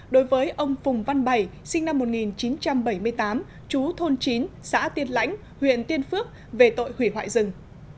đối với ông phùng văn bảy sinh năm một nghìn chín trăm bảy mươi tám chú thôn chín xã tiên lãnh huyện tiên phước về tội hủy hoại rừng